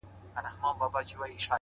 زه له خپلي ډيري ميني ورته وايم.